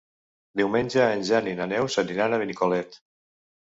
Diumenge en Jan i na Neus aniran a Benicolet.